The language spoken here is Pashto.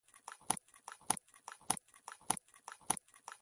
هغه زوی چې د پلار د دعا